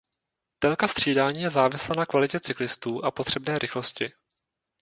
Délka střídání je závislá na kvalitě cyklistů a potřebné rychlosti.